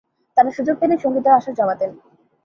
তাঁরা সুযোগ পেলেই সঙ্গীতের আসর জমাতেন।